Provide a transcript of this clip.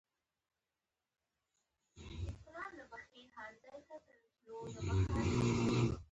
د وژل کېدلو په باب معلومات ترلاسه کړل.